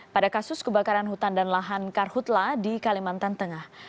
pada kasus kebakaran hutan dan lahan karhutlah di kalimantan tengah